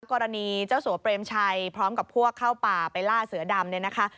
กรณีเจ้าสัวน์เบรมชัยพร้อมกับพวกเข้าป่าไปล่าเสือดำ